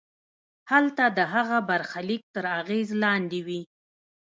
هلته د هغه برخلیک تر اغېز لاندې وي.